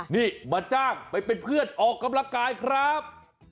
นี่มาจ้างไปเป็นเพื่อนออกกำลังกายครับ